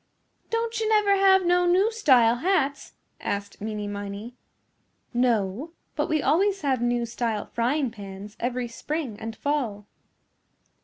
"Don't you never have no new style hats?" asked Meeney Miney. "No, but we always have new style frying pans every spring and fall."